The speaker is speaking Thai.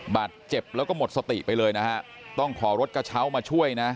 บาดเจ็บแล้วก็หมดสติไปเลยนะฮะต้องขอรถกระเช้ามาช่วยนะ